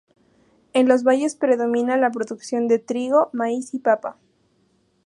En los valles predomina la producción de Trigo, maíz y papa.